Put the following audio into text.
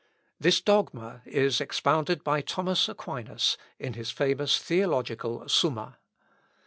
This dogma is expounded by Thomas Aquinas in his famous theological Summa.